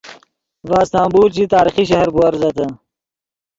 ڤے استنبول چی تاریخی شہر بوورزتے